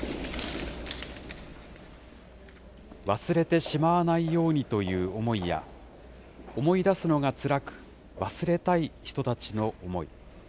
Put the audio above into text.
忘れてしまわないようにという思いや、思い出すのがつらく、忘れたい人たちの思い。